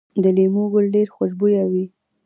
د لیمو ګل ډیر خوشبويه وي؟